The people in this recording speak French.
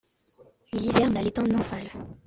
Il hiverne à l'état nymphal.